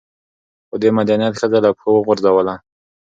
خو دې مدنيت ښځه له پښو وغورځوله